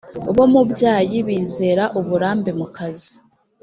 bo mu byayi bizera uburambe mu kazi